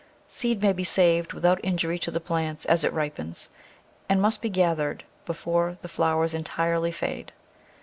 Seed may be saved without injury to the plants as it ripens, and must be gathered before the flowers entirely fade.